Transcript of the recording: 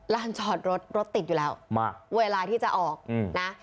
จอดรถรถติดอยู่แล้วมากเวลาที่จะออกนะ